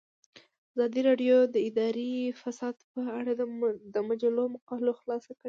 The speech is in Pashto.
ازادي راډیو د اداري فساد په اړه د مجلو مقالو خلاصه کړې.